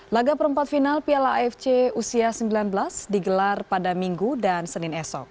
laga perempat final piala afc usia sembilan belas digelar pada minggu dan senin esok